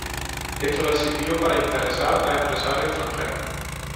Esto les sirvió para interesar a empresarios extranjeros.